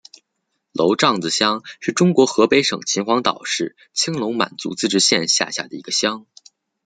娄杖子乡是中国河北省秦皇岛市青龙满族自治县下辖的一个乡。